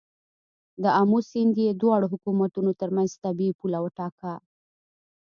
د آمو سیند یې د دواړو حکومتونو تر منځ طبیعي پوله وټاکه.